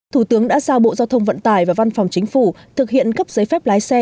thủ tướng đã giao bộ giao thông vận tải và văn phòng chính phủ thực hiện cấp giấy phép lái xe